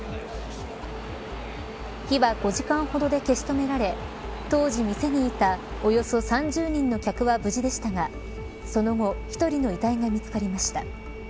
火は５時間ほどで消し止められ当時、店にいたおよそ３０人の客は無事でしたがその後１人の遺体が見つかりました。